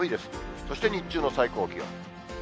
そして日中の最高気温。